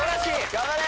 頑張れ！